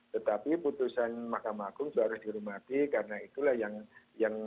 tetapi putusan mahkamah agung juga harus dihormati karena itulah yang